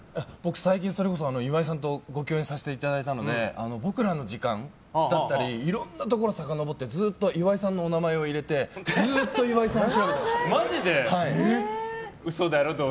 最近、岩井さんとご共演させていただいたので僕らの時間だったりいろんなところをさかのぼって岩井さんのお名前を入れてずっと岩井さんを調べてました。